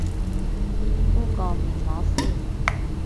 敷個面膜先